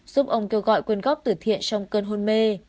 giúp ông kêu gọi quân gốc tử thiện trong cơn hôn mê